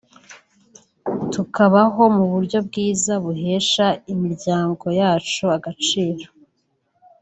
tukabaho mu buryo bwiza buhesha imiryango yacu agaciro